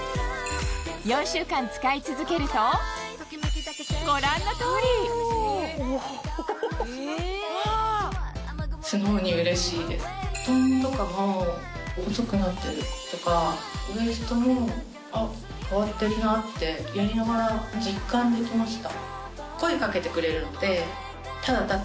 ４週間使い続けるとご覧の通り太ももとかも細くなってる！とかウエストも変わってるなってやりながら実感できました。